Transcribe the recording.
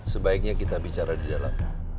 sebaiknya kita bicara di dalam